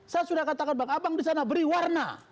saya sudah katakan bang abang disana beri warna